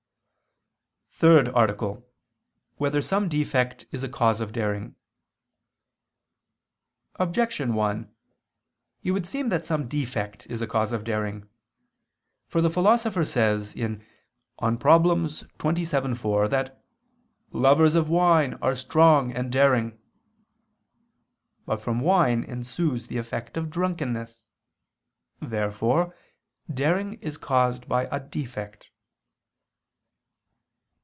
________________________ THIRD ARTICLE [I II, Q. 45, Art. 3] Whether Some Defect Is a Cause of Daring? Objection 1: It would seem that some defect is a cause of daring. For the Philosopher says (De Problem. xxvii, 4) that "lovers of wine are strong and daring." But from wine ensues the effect of drunkenness. Therefore daring is caused by a defect.